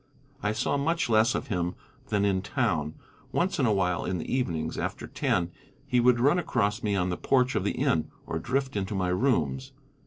I saw much less of him than in town. Once in a while in the evenings, after ten, he would run across me on the porch of the inn, or drift into my rooms.